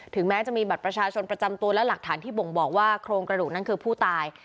แม้จะมีบัตรประชาชนประจำตัวและหลักฐานที่บ่งบอกว่าโครงกระดูกนั้นคือผู้ตาย